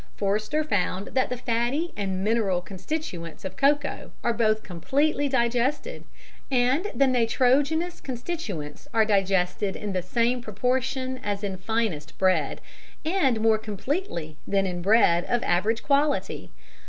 Forster found that the fatty and mineral constituents of cocoa are both completely digested, and the nitrogenous constituents are digested in the same proportion as in finest bread, and more completely than in bread of average quality.